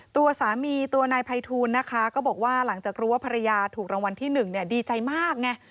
ตัวสามีตัวนายภัยทูลนะคะก็บอกว่าหลังจากรู้ว่าภรรยาถูกรางวัลที่๑ดีใจมากไง